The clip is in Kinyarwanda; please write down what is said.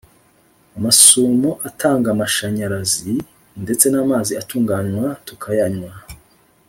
amasumo atangaamashanyarazi, ndetse n’amazi atunganywa tukayanywa.